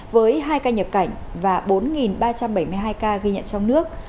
với hai ca nhập cảnh và bốn ba trăm bảy mươi hai ca ghi nhận trong nước